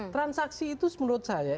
transaksi itu menurut saya